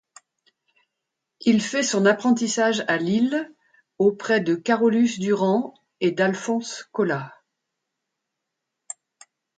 Il fait son apprentissage à Lille auprès de Carolus-Duran et d'Alphonse Colas.